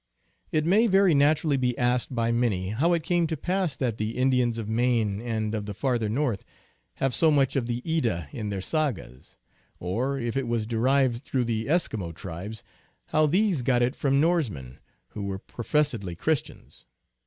It may very naturally be asked by many how it came to pass that the Indians of Maine and of the farther north have so much of the Edda in their sa gas ; or, if it was derived through the Eskimo tribes, INTRODUCTION. 9 how these got it from Norsemen, who were professedly Christians.